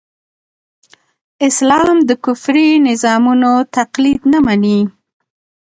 اسلام د کفري نظامونو تقليد نه مني.